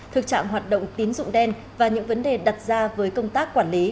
thực trạng hoạt động tín dụng đen và những vấn đề đặt ra với công tác quản lý